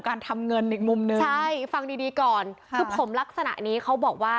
การทำเงินอีกมุมหนึ่งใช่ฟังดีดีก่อนคือผมลักษณะนี้เขาบอกว่า